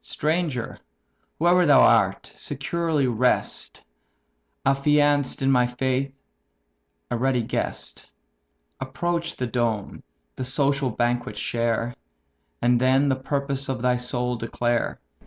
"Stranger, whoe'er thou art, securely rest, Affianced in my faith, a ready guest; Approach the dome, the social banquet share, And then the purpose of thy soul declare."